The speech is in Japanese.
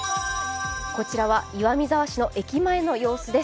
こちらは岩見沢市の駅前の様子です。